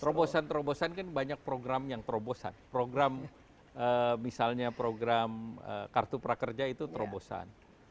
terobosan terobosan kan banyak program yang terobosan program misalnya program kartu prakerja itu terobosan